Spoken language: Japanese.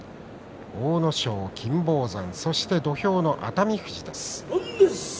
阿武咲、金峰山そして土俵の熱海富士です。